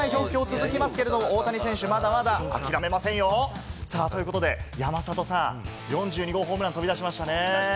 負けられない状況が続きますけれども、大谷選手まだまだ諦めませんよ。ということで、山里さん、４２号ホームラン飛び出しましたね。